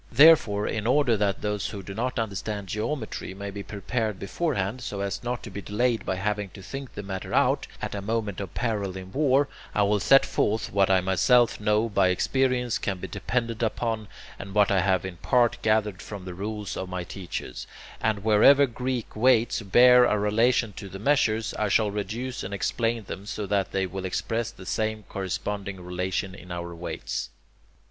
Therefore, in order that those who do not understand geometry may be prepared beforehand, so as not to be delayed by having to think the matter out at a moment of peril in war, I will set forth what I myself know by experience can be depended upon, and what I have in part gathered from the rules of my teachers, and wherever Greek weights bear a relation to the measures, I shall reduce and explain them so that they will express the same corresponding relation in our weights.